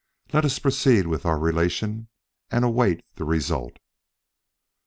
Let us proceed with our relation and await the result.